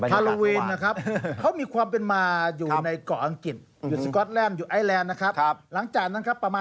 ฮาโลวินนะครับเขามีความเป็นมาอยู่ในเกาะอังกฤษ